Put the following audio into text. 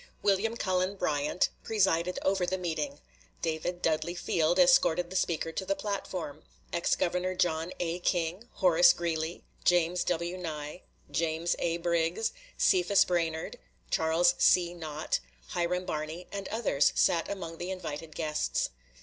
William Cullen Bryant presided over the meeting; David Dudley Field escorted the speaker to the platform; ex Governor John A. King, Horace Greeley, James W. Nye, James A. Briggs, Cephas Brainerd, Charles C. Nott, Hiram Barney, and others sat among the invited guests.